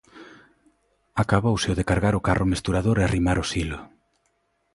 Acabouse o de cargar o carro mesturador e arrimar o silo.